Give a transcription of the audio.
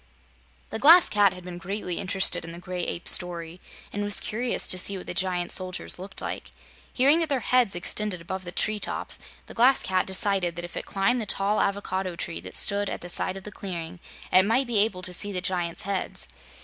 The Glass Cat had been greatly interested in the Gray Ape's story and was curious to see what the giant soldiers looked like. Hearing that their heads extended above the tree tops, the Glass Cat decided that if it climbed the tall avocado tree that stood at the side of the clearing, it might be able to see the giants' heads.